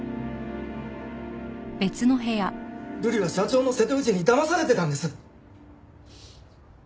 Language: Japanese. ルリは社長の瀬戸口にだまされてたんです！